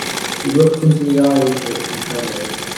He looked into the eyes of his companions.